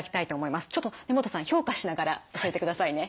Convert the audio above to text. ちょっと根本さん評価しながら教えてくださいね。